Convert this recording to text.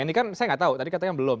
ini kan saya nggak tahu tadi katanya belum